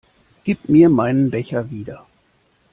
Gib mir meinen Becher wieder!